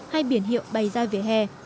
hay biển hiệu bày ra về hè